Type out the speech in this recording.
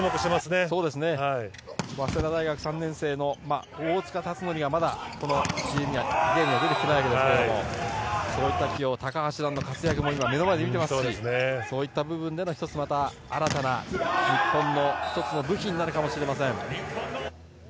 早稲田大学３年生の大塚達宣がまだこのゲームに出てきていないわけですけれども高橋藍の活躍も目の前で見ていますしそういった部分で、１つ新たな日本の武器になるかもしれません。